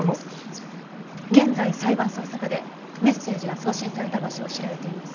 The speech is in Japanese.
現在サイバー捜査課でメッセージが送信された場所を調べています。